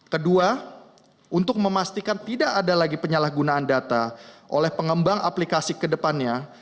kedua untuk memastikan tidak ada lagi penyalahgunaan data oleh pengembang aplikasi kedepannya